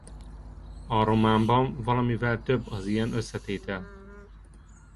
A románban valamivel több az ilyen összetétel.